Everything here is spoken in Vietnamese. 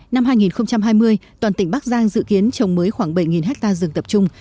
năm hai nghìn hai mươi toàn tỉnh bắc giang dự kiến trồng mới khoảng bảy ha rừng tập trung